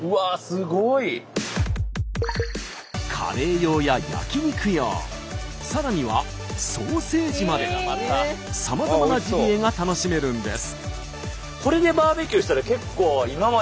すごい！カレー用や焼き肉用さらにはソーセージまでさまざまなジビエが楽しめるんです。